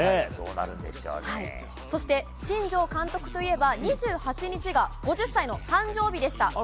そして、新庄監督といえば２８日が５０歳の誕生日でした。